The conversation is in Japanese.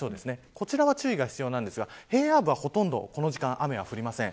こちらは注意が必要なんですが平野部は、ほとんどこの時間、雨が降りません。